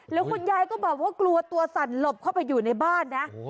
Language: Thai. แล้วคุณยายก็บอกว่ากลัวตัวสั่นหลบเข้าไปอยู่ในบ้านนะ